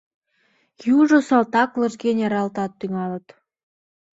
Южо салтак лыжге нералтат тӱҥалын.